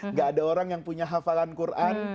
nggak ada orang yang punya hafalan quran